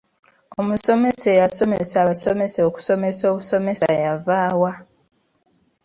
Omusomesa eyasomesa abasomesa okusomesa obusomesa yavaawa?